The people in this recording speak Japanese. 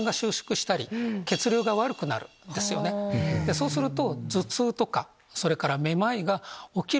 そうすると。